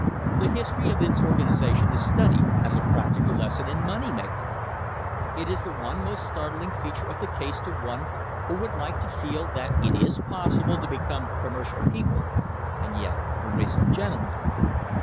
The history of its organisation is studied as a practical lesson in money making. It is the most startling feature of the case to one who would like to feel that it is possible to be a com mercial people and yet a race of gentlemen.